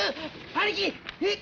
兄貴。